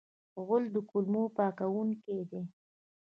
غول د کولمو پاکونکی دی.